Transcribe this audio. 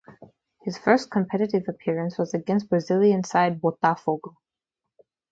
His first competitive appearance was against Brazilian side Botafogo.